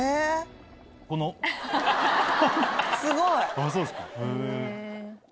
あぁそうですか。